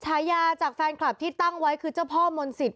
ฉายาจากแฟนคลับที่ตั้งไว้คือเจ้าพ่อมนศิษย